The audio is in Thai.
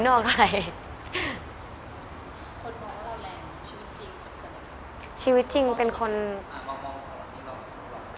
คนมองว่าเราแรงชีวิตจริงเป็นคนยังไง